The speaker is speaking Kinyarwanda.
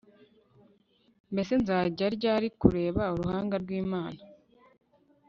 mbese nzajya ryari kureba uruhanga rw'imana